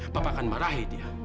papa akan marahi dia